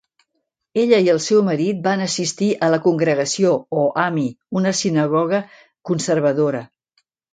Ella i el seu marit van assistir a la Congregació o Ami, una sinagoga conservadora.